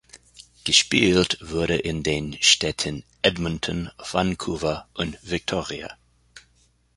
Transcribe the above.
Gespielt wurde in den Städten Edmonton, Vancouver und Victoria.